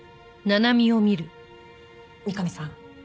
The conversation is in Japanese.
三上さん。